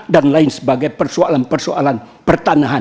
dan lain sebagai persoalan persoalan pertanahan